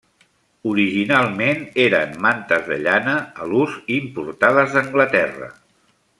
Originalment eren mantes de llana a l'ús importades d'Anglaterra.